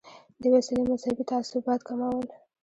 دې وسیلې مذهبي تعصبات کمول.